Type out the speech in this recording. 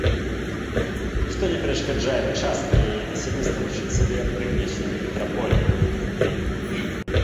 Што не перашкаджае часткі яе насельніцтва лічыць сябе прыгнечанымі метраполіяй.